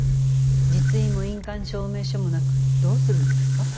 実印も印鑑証明書もなくどうするんですか？